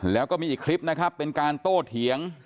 แล้วก็มีอีกคลิปนะครับเป็นการโต้เถียง